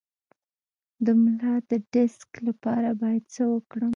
د ملا د ډیسک لپاره باید څه وکړم؟